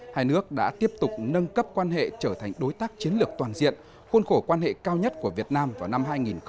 hai nước đã tiếp tục nâng cấp quan hệ trở thành đối tác chiến lược toàn diện khuôn khổ quan hệ cao nhất của việt nam vào năm hai nghìn hai mươi